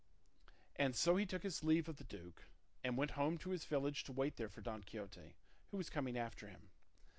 And so he took his leave of the duke, and went home to his village to wait there for Don Quixote, who was coming after him.